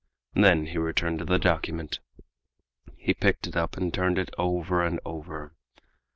Then he returned to the document. He picked it up and turned it over and over.